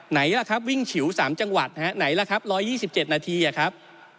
ไหนล่ะครับวิ่งฉิว๓จังหวัดไหนล่ะครับ๑๒๗นาทีครับ